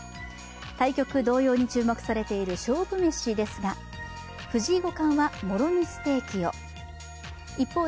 対局同様に注目されている勝負飯ですが、藤井五冠はもろ味